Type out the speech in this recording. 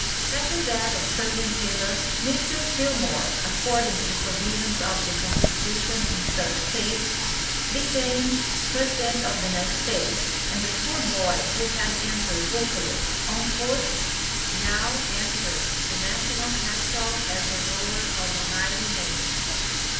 At the death of President Taylor, Mr. Fillmore, according to the provisions of the Constitution in such cases, became President of the United States, and the poor boy who had entered Buffalo on foot now entered the National Capitol as the ruler of a mighty nation.